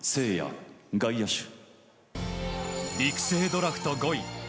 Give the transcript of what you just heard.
育成ドラフト５位。